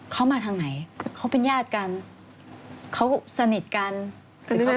เขามาทางไหนเขาเป็นญาติกันเขาสนิทกันคือเขา